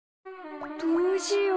どうしよう。